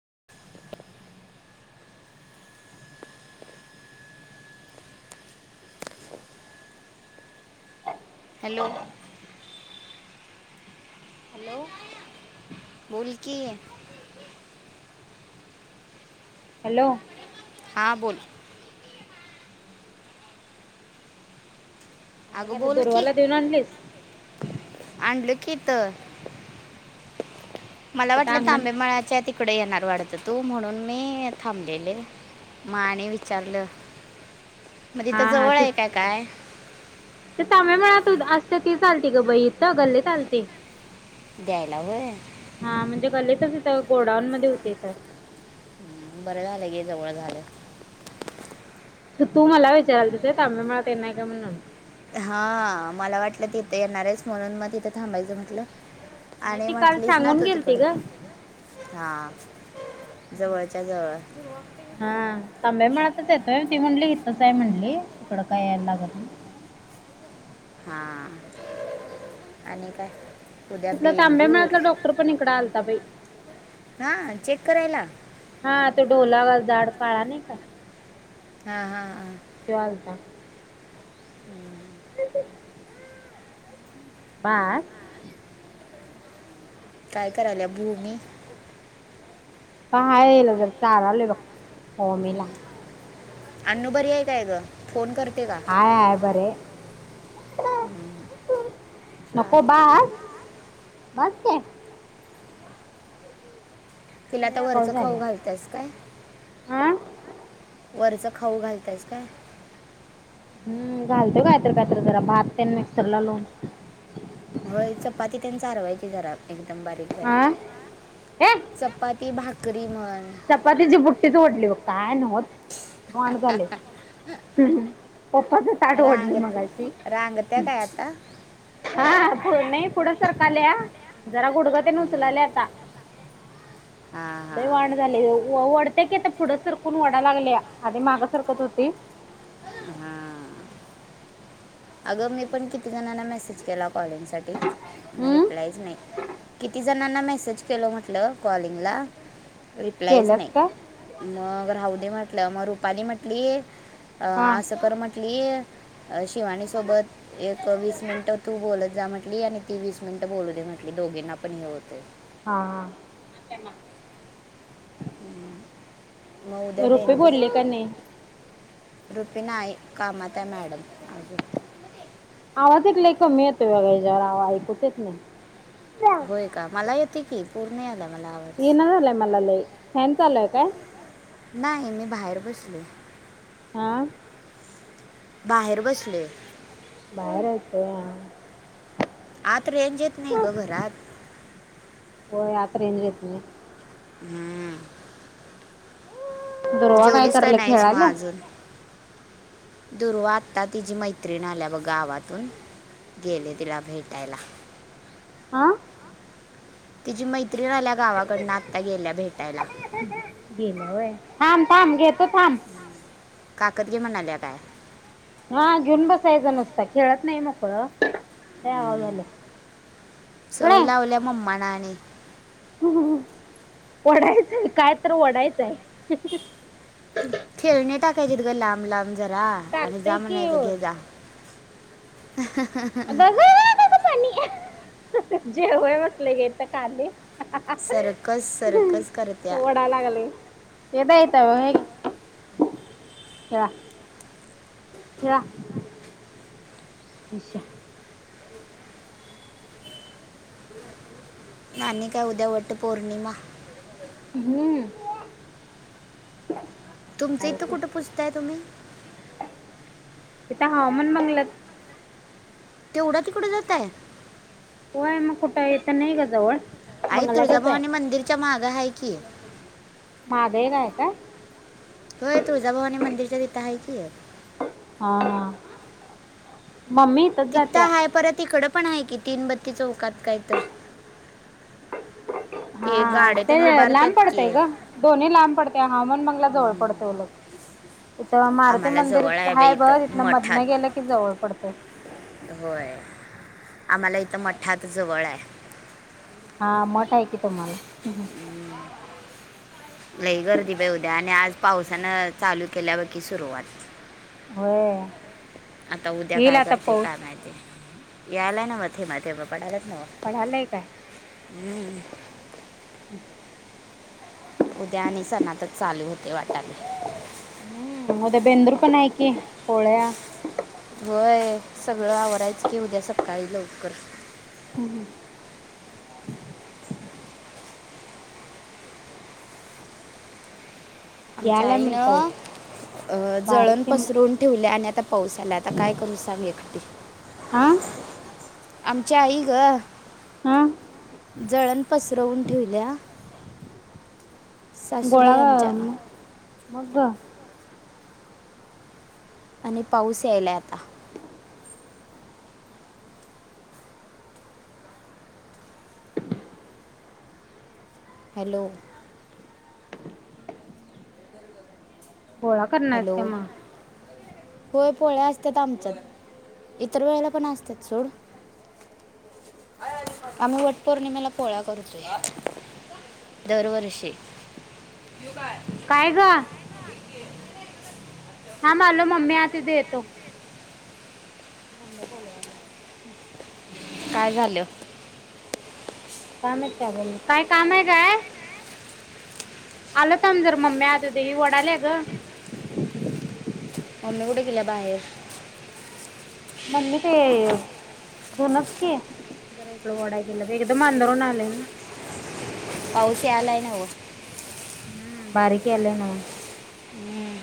रीकाम आहे hello [unintelligible] hello बोलकीी आहे हॅलो हां बोल अगं बाला बोल दोरवाला देऊन आणलीस आणनलखित मला कुठं वाटलं त अंगण आंबेमाळच्या तिकडे येणार वाढत तू म्हणून मी थांबलेले माने विचारलं मज तिथ हा हा जवळ आहे काय काय सम म्हणा तो आत ती चालते ग बई इथ अगल्ली चालते द्यायला वय हा म्हणजे कलेतच इथ गोडाऊन मध्ये होते तर बरे झाले गे जवळ झाले तू मला विचाराला दिस आ्ही मला ते नाही का म्हणून हा मला वाटलं तिथे येणार आहेच म्हणून मग तिथं थांबायचं म्हटलं नाही आणि ती काल म्हटलीस ना सांगून तू गेलती तिकड ग हा हा तम म्हणा च येतोय ती म्हली हथच आहे म्हणली तिकड काय यायला लागत ना हा आणि काय उद्या तिथला तांब्या बेंदूर मळ्याला डॉक्टर पण इकड आलता प हा चेक करायला हा तो डोला व जाड काळा नाही का हा, हा, हा. त्यो आलता. हम्म. [unintelligible] [unintelligible] काय करायला भूमी? काय येला जरा चारालोय बघ भुमीला. अण्णू बरी हाय काय ग? फोन कर हाय, हाय. बरे यं. नको चालते बास? बास के. तिला लय आता आगाव वरचं खाऊ झाल्या घालत्यास काय? हा वरचं खाऊ घालत्यास काय? हम. घालतो कायतर कायतर जरा भाततेन मिक्सर ला लावुन. होय. चपाती तेन चारवायची जरा एकदम बारीक बारीक हा ए चपाती भाकरी म्हणं चपातीची बुट्टीच वढली बघ. काय नव्हचं मॉड झालयं. हम्. पप्पाच ताट ओढली रांगत मगाशी. रांगत्या काय आता हा. पुढं नाई पुढं सरकाल्या. जरा गुडगतेन हम्म. उचलाल्या आता हा हा लय वांड वढत्या की आता पुढं सरकून वढा लागल्या आधी माग सरकत होती हां. अगं मी पण किती जणना मेसेज केला कॉलिंग साठी म हम्म रिप्लायच नाही कीती जणांना मेसेज केलं म्हटलं कॉलिंगला. रिप्लायच केल्यास नाही काय मग राहुदे म्हटलं मग रुपाली म्हटली अं हा आस हा कर म्हटली अ शिवानी सोबत एक वीस मिनिट तु बोलत जा म्ह टली आणि ती वीस मिनिट बोलू दे म्हटली. दोघींना पण हे होते हा ह [inaudible] ह. म उदया रुपे बेंदुर- बोलले का नाही - रुपी नाई कामात हाय मॅडम अजुन हेज्या वर आओ ऐकूच येत नाही. होय का मला येते की पुर्ण याला. इना झालाय मला लई. फँन चालु हाय काय? बसलो. आ. बाहेर बसलोयं. बाहेर हाईस होय. हा. आत रेंज येत नाही ग घरात होय आत रेंज येत नाही- - हमं. दुर्वा जेवलीस काय करायला नाहीस मग खेळाल्या अजुन? दुर्वा आता तिची मैत्रिण आल्या ब गावातून गेलयं तिला भेटायला. अं. तिची मै त्रीण आल्या गावाकडनं आता गेल्या भेटायला. गेल्या होय थांब थांब. घेतो थांब. काकत घे म्हणाल्या काय? हा. घेऊन बसायचा नुसता खेळत नाही मोकळं- - लई आगाव झाल्या. कनी सवय - - लावल्या मम्माना आणि वढायचय काय तर वढायचंय. खेळणे टाकायचे गं लांब, लांब जरा आणि टाकतय जा म्हणायच की घे जा अगं, अंग पाणी जेवयाला बसले ग इथं खाली सर्कस सर्कस करत्या [unintelligible] ओढा लागला खेळा खेळा अच्छा आणि काय उद्या वट्ट पौर्णिमा हं तुमचं इथं कुठं पुजताय तुम्ही त्या हवामाण बंगल्यात तेवढा तिकडं जाताय होय मग कुठं इथं नाही ग जवळ- आई बंगल्यातच आहे तुळजाभवानी मंदिरच्या माग आहे कि- माग एक आहे का होय तुळजाभवानी मंदिरच्या तिथं आहे कि- हा हा मम्मी इथच जात्या तिथं आहे परत इकडं पण आहे की तीन बत्ती चौकात काय तर हा ते गाडे ते त्यानं लांब उभारतात पडतेय की ग दोन्ही लांब पडते हवामान मंगला जवळ पडते लग तथ मारुती आम्हाला मंदिर जवळ आहे बाई हाय बघ इथं तिथन मधन मठात गेलं की जवळ पडते होय आम्हाला इथं मठात जवळ आहे हा मोठा आहे कि तुम्हाला लई गर्दी पेऊ द्या आणि आज पावसानं चालू केल्यापैकी सुरुवात होय आता उद्या येईल काय आता करते पाऊस का माहिजे यायलाय ना मध्येे मथे बपाडायला पडलाय काय हम्म उद्या आणि सणतच चालू होते वाटाले ी पळया होय सगळं आवडायचं की उद्या सकाळी लवकर हम्म यालाय आमच्याईन म्हण पाऊस अ बारीक जळण किंबा पसरून ठेवले आणि आता पाऊस आला आता काय करू सांग एकटी आह आमची आई ग जळण पसरवून ठेवल्या गोळा सासूबाई आमच्या म मग ग आणि पाऊस यायलाय आता हॅलो गोळा करणारच हॅलो का मग होय पोळ्या असतात आमच्या इतर वेळेला पण असतात सोड आम्ही वट पौर्णिमेला पोळा करतो दरवर्षे काय का हा माल मम्मी ह तिथे येतो गंड बोलवाले काय झाल काम आहेत त्या बोलून काय काम आहे काय आल काम जर मम्मी आता देही वडाल्या ग ममी कड केला बाहेर ममी ते दोनच के जरा इकड वडा गेला एकदम अंधरून आले ना अह ख्याल आहे नाव हम्म बारी क आलेय नाव हम्म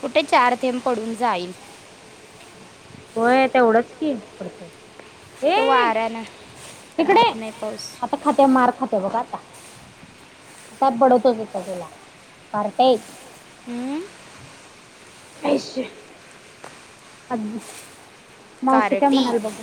कुठे चार थेंब पडून जाईल होय तेवढंच की पडत तो ये वाऱ्यानं इिकडे राहत नाही पाऊस आता खात्या मार खात्या बघा आता आता पडवतोच होत तुला पार्ट हम्म अशा अ मावशी काय कारटी म्हणाल बाघ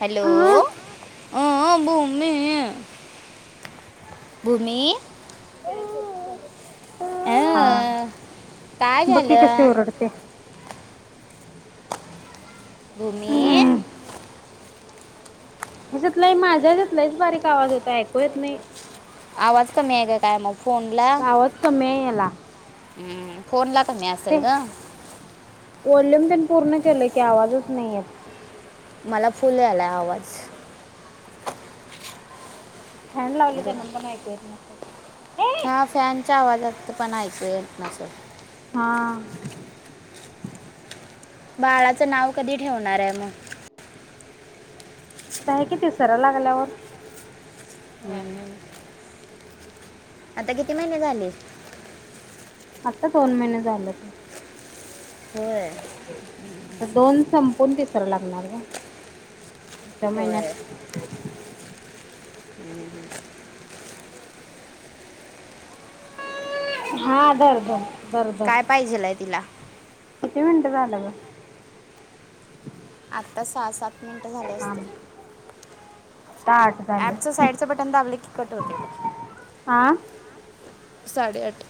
हॅलो ह भूमीमी भूमी हा अं, काय बक्की कशी झालं ओरडते घूमी हशतला माझ्यातलाच बारीक आवाज यता ऐकू येत नाही आवाज कमी आहे काय काय मग फोनला आवाज कमी आहे याला फोनला कमी असेल गं वॉल्युम तेन पूर्ण केलं की आवाजच नाही आहेत मला फुल्ल यायलाय आवाज फॅन लावलोय ग. त्यान पण ऐकूयेत नसलं हा फॅनच्या आवाजात पण ऐकू येतं नसलं हा बाळाचं नाव कधी ठेवणार आहे मग आता आहे की तिसरा लागल्यावर हम हम ठेवायचं आता किती महिने झाले आता पाऊण महिने झाल्यात होय आता दोन संपून तीसरा लागणार गं पुढच्या महिन्यांत हम्मम हम्म हा दर दर दर दर काय पाहिजे आहे तिला किती मिनिटं झाल गं आत्ता सहा सात मिनिटं झाले असतील थांब आता आठ ऍपचं झालं साईडचं बटन दाबले कि कट होते बघ हा साडे आठ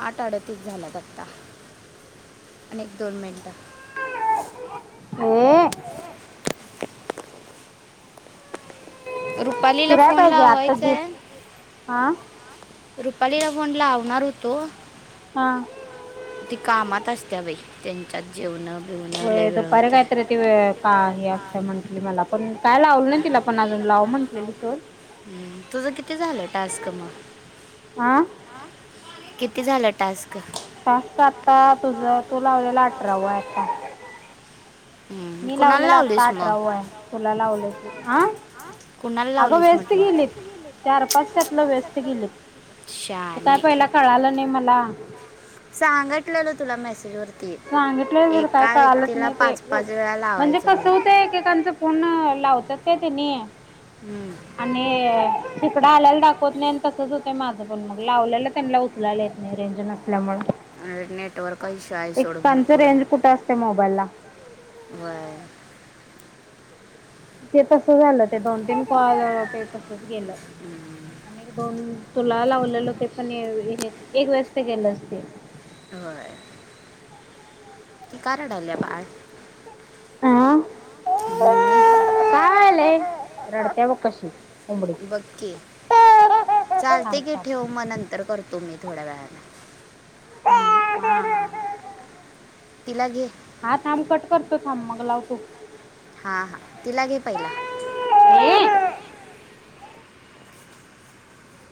आठ अडतीस झाल्यात आता अनेक दोन मिनिटं ये रुपालीला फिराय फोन पाहिजे आता जी लावायचं हा रुपालीला फोन लावणार होतो हा ती कामात असत्या बाई त्यांच्यात जेवण होय दुपारी कायतरी ते का हे असते म्हंटली मला पण काय लावलं नाही तिला पण अजून लाव म्हणटल्यायली सोड हम् तुझं किती झालं टास्क मग आ किती झालं टास्क टास्क आता तुझ तू लावलेला अठरावा आता मी कुणाला लावलेला आता लावलीस मग आठराव्हा आहे तुला लावलेला ह कुणाला अगं लावलीस वेस्ट म्हटलं गेलीत चार पाच त्यातलं वेस्ट गेलेत हे काय शाने पहिला कळालं नाही मला सांगटलेलं तुला मेसेजवरती सांगितलय खरं काय एका कळालंच व्यक्तीला नाही ते पाच पाच वेळा म्हणजे लावायचं कस म्हणून होतय एकेकांच फोन लावत्यात का तेनी आहे आणि तिकडं आल्याला दाखवत नाही आणि तसंच होत माझं पण मग लावल्याला त्यांना उचलायला येत नाही रेंज नसल्यामुळे नेटवर्क इश्यू आहे एक सोड कानच्या भरपूर रेंज आहे कुठं असत्या मोबाईलला होय तेे झालं ते दोन तीन कॉल ते तसच गेलं आणि एक दोन तुला लावलेलो ते पण एक वेस्ट गेलंच ते की का रडाल्या बाळ अ घिरणी काय व्हायलय रडत्या मग कशी कोंबडी बघकी चालतय थांब की ठेव थांब मग नंतर करतो मी थोडयावेळान [unintelligible] तिला घे हा थांब कट करतो थांब मग लावतो. हा हा तिला घे पहिला ये